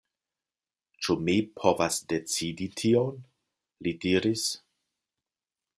Ĉu mi povas decidi tion?li diris.